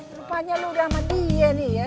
rupanya lo udah sama dia nih ya